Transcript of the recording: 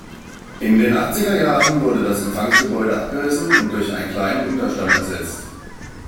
In den Achtziger Jahren wurde das Empfangsgebäude abgerissen und durch einen kleinen Unterstand ersetzt.